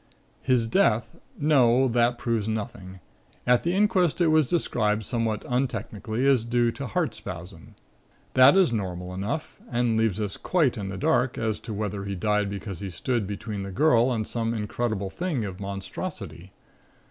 "His death no, that proves nothing. At the inquest it was described somewhat untechnically as due to heart spasm. That is normal enough and leaves us quite in the dark as to whether he died because he stood between the girl and some incredible thing of monstrosity.